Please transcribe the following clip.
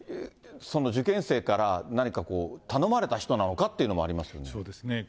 その受験生から何か頼まれた人なのかというのもありますよね。